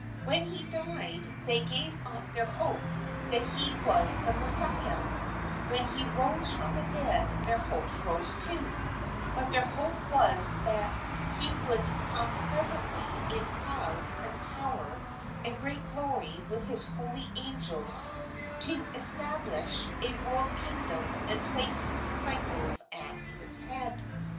When he died they gave up their hope that he was the Messiah ; when he rose from the dead their hopes rose, too ; but their hope was that he would come presently in clouds and power and great glory with his holy angels to establish a world kingdom and place his disciples at its head.